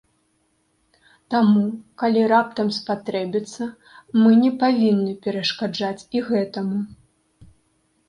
Таму, калі раптам спатрэбіцца, мы не павінны перашкаджаць і гэтаму.